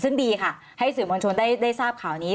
ซึ่งดีค่ะให้สื่อมวลชนได้ทราบข่าวนี้